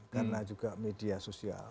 karena juga media sosial